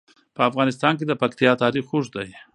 په افغانستان کې د پکتیا تاریخ اوږد دی.